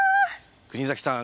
国崎さん